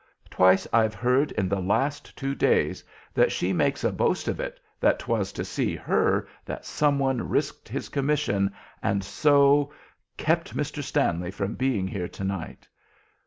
Twice I've heard in the last two days that she makes a boast of it that 'twas to see her that some one risked his commission and so kept Mr. Stanley from being here to night.